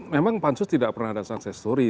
memang pansus tidak pernah ada sukses story